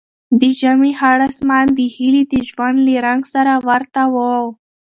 د ژمي خړ اسمان د هیلې د ژوند له رنګ سره ورته و.